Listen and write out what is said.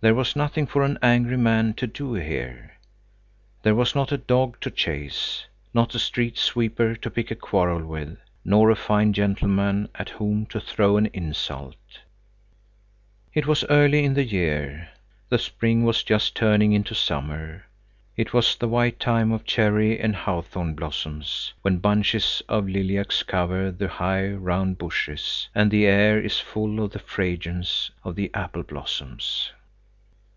There was nothing for an angry man to do here. There was not a dog to chase, not a street sweeper to pick a quarrel with, nor a fine gentleman at whom to throw an insult. It was early in the year; the spring was just turning into summer. It was the white time of cherry and hawthorn blossoms, when bunches of lilacs cover the high, round bushes, and the air is full of the fragrance of the apple blossoms.